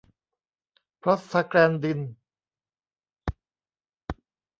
พรอสทาแกลนดิน